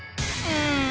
うん